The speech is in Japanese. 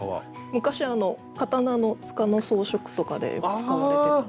昔刀の柄の装飾とかでよく使われてた。